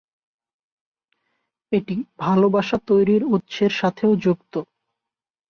এটি "ভালবাসা তৈরির" উৎসের সাথেও যুক্ত।